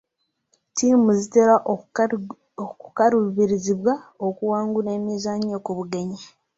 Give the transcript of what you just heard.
Ttiimu zitera okukaluubirizibwa okuwangula emizannyo ku bugenyi.